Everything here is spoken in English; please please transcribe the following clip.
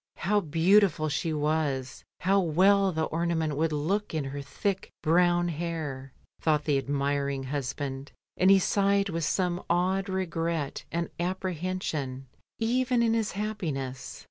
How beautiful she was, how well the ornament would look in her thick brown hair, thought the admiring husband, and he sighed with some odd regret and apprehension even in his happiness.